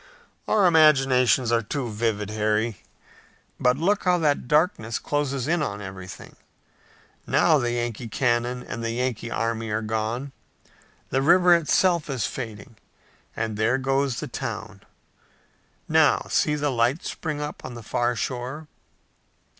"Our imaginations are too vivid, Harry. But look how that darkness closes in on everything! Now the Yankee cannon and the Yankee army are gone! The river itself is fading, and there goes the town! Now, see the lights spring up on the far shore!"